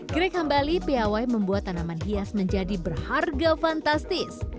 greg hambali piawai membuat tanaman hias menjadi berharga fantastis